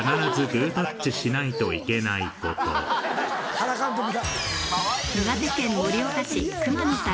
原監督だ。